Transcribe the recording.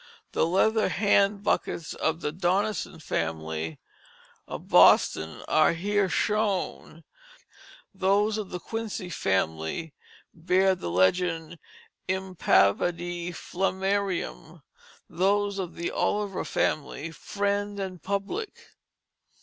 The leather hand buckets of the Donnison family of Boston are here shown; those of the Quincy family bear the legend Impavadi Flammarium; those of the Oliver family, Friend and Public.